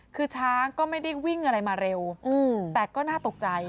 คือช้างก็ไม่ได้วิ่งอะไรมาเร็วแต่ก็น่าตกใจ